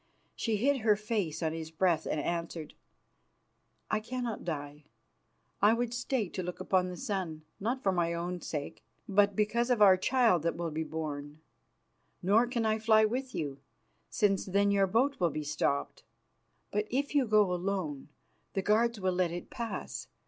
She hid her face on his breast and answered, "I cannot die. I would stay to look upon the sun, not for my own sake, but because of our child that will be born. Nor can I fly with you, since then your boat will be stopped. But if you go alone, the guards will let it pass.